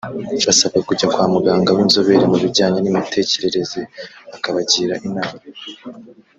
basabwa kujya kwa muganga w’inzobere mu bijyanye n’imitekerereze bakabagira inama